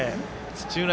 土浦